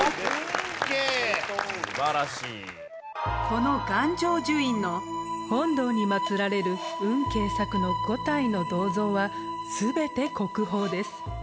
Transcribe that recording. この願成就院の本堂にまつられる運慶作の５体の銅像は全て国宝です。